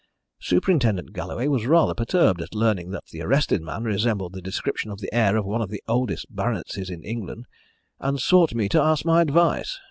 Superintendent Galloway was rather perturbed at learning that the arrested man resembled the description of the heir of one of the oldest baronetcies in England, and sought me to ask my advice.